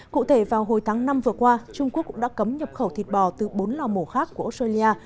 cụ thể vào hồi tháng năm vừa qua trung quốc cũng đã cấm nhập khẩu thịt bò từ bốn lò mổ khác của australia